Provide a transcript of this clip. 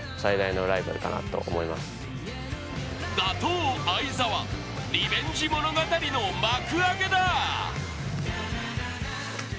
打倒・相澤、リベンジ物語の幕開けだ。